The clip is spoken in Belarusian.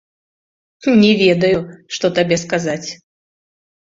Не ведаю, што табе сказаць.